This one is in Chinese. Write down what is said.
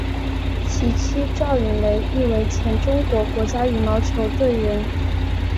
其妻赵芸蕾亦为前中国国家羽毛球队队员。